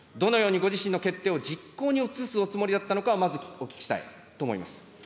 どのようにご自身の決定を実行に移すおつもりだったのかまずお聞きしたいと思います。